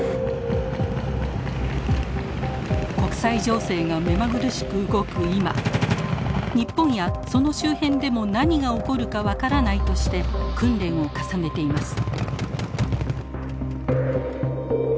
国際情勢が目まぐるしく動く今日本やその周辺でも何が起こるか分からないとして訓練を重ねています。